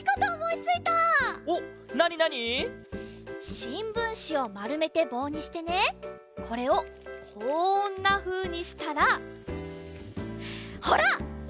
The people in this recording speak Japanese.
しんぶんしをまるめてぼうにしてねこれをこんなふうにしたらほらわっかができちゃう！